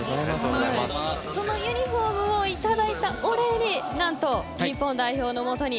このユニホームをいただいたお礼に何と、日本代表のもとに